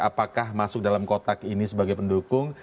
apakah masuk dalam kotak ini sebagai pendukung